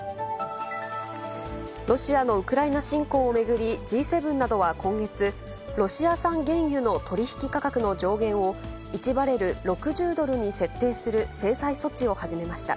ロシアのウクライナ侵攻を巡り、Ｇ７などは今月、ロシア産原油の取り引き価格の上限を、１バレル６０ドルに設定する制裁措置を始めました。